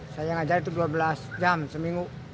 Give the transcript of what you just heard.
saya ngajar itu dua belas jam seminggu